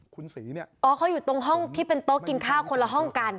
อ๋อเขาอยู่ตรงห้องที่เป็นโต๊ะกินข้าวคนละห้องกัน